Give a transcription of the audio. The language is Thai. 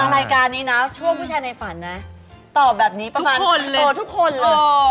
รายการนี้นะช่วงผู้ชายในฝันนะตอบแบบนี้ประมาณทุกคนเลย